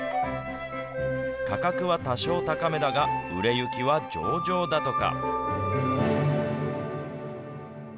価格は多少高めだが、売れ行きは上々だとか。